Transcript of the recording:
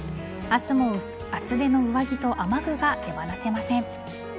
明日も厚手の上着と雨具が手放せません。